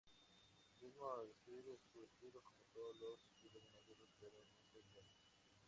Él mismo describe su estilo como: "Todos los estilos más duros, pero nunca iguales".